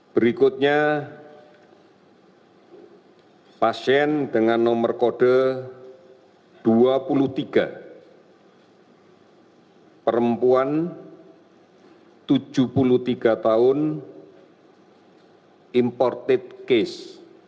berikutnya pasien dengan nomor kode dua puluh tiga perempuan tujuh puluh tiga tahun imported case